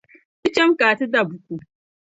Ti cham ka n-ti da buku.